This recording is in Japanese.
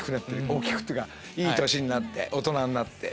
大きくっていうかいい年になって大人になって。